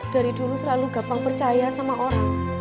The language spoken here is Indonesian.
dari dulu selalu gampang percaya sama orang